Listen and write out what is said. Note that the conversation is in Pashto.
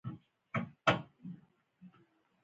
« کهٔ روږدی شوې، مسولیت او جرم یې زما پهٔ غاړه. »